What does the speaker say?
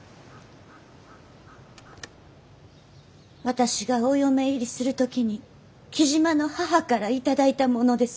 私がお嫁入りする時に雉真の母から頂いたものです。